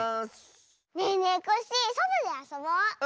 ねえねえコッシーそとであそぼう！